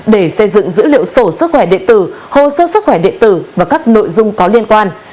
để xây dựng dữ liệu sổ sức khỏe điện tử hồ sơ sức khỏe điện tử và các nội dung có liên quan